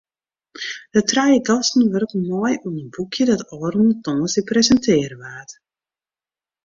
De trije gasten wurken mei oan in boekje dat ôfrûne tongersdei presintearre waard.